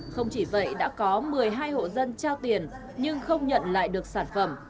không chỉ vậy đã có một mươi hai hộ dân trao tiền nhưng không nhận lại được sản phẩm